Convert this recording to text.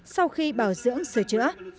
sau khi bảo dưỡng sửa chữa